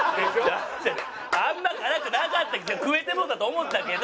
あんま辛くなかった食えてもうたと思ったけど。